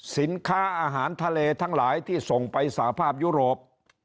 สินค้าอาหารทะเลทั้งหลายที่ส่งไปสาภาพยุโรป